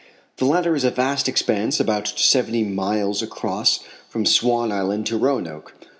The latter is a vast expanse about seventy miles across from Sivan Island to Roanoke.